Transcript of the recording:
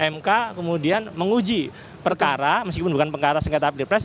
mk kemudian menguji perkara meskipun bukan perkara sengketa pilpres